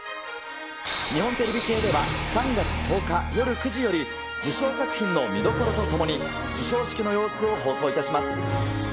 日本テレビ系では３月１０日夜９時より、受賞作品の見どころとともに授賞式の様子を放送いたします。